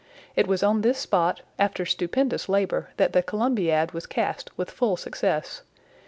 It was on this spot, after stupendous labor, that the Columbiad was cast with full success.